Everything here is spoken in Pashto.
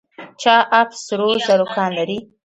چاه اب سرو زرو کان لري؟